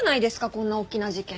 こんな大きな事件。